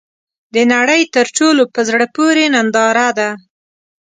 د نړۍ تر ټولو ، په زړه پورې ننداره ده .